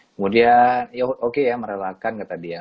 kemudian ya oke ya merelakan kata dia